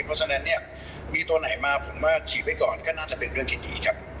เพราะฉะนั้นเนี่ยมีตัวไหนมาผมว่าฉีดไว้ก่อนก็น่าจะเป็นเรื่องที่ดีครับ